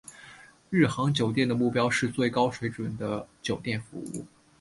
日航酒店的目标是最高水准的酒店服务。